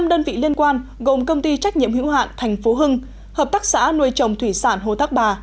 năm đơn vị liên quan gồm công ty trách nhiệm hữu hạn thành phố hưng hợp tác xã nuôi trồng thủy sản hồ thác bà